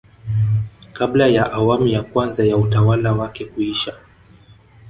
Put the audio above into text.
kabla ya awamu ya kwanza ya utawala wake kuisha